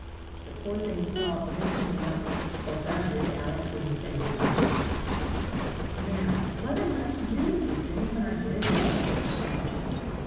The poor thing sobbed once more (or grunted, Al ice couldn't say which). "Now, what am I to do with this thing when I get it home?" thought Al ice.